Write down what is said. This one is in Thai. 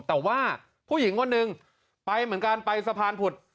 แต่ว่าผู้หญิงคนหนึ่งไปเหมือนกันไปสะพานผุด